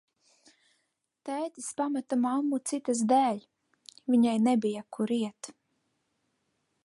Tētis pameta mammu citas dēļ, viņai nebija, kur iet.